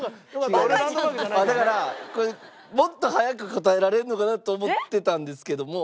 だからもっと早く答えられるのかなと思ってたんですけども。